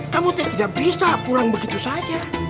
kamu tidak bisa pulang begitu saja